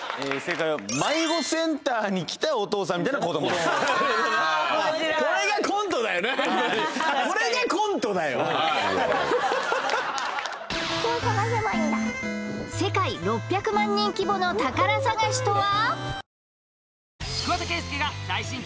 正解は世界６００万人規模の宝探しとは？